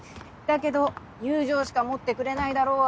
だけど友情しか持ってくれないだろう